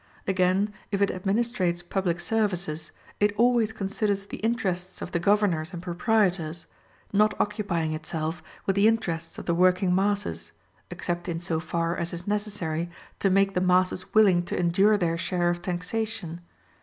Again, if it administrates public services, it always considers the interests of the governors and proprietors, not occupying itself with the interests of the working masses, except in so far as is necessary to make the masses willing to endure their share of taxation.